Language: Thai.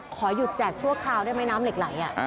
ขอหยุดแจกชั่วคราวได้ไหมน้ำเหล็กไหล